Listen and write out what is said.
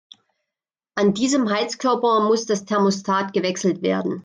An diesem Heizkörper muss das Thermostat gewechselt werden.